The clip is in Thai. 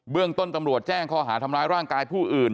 เรื่องต้นตำรวจแจ้งข้อหาทำร้ายร่างกายผู้อื่น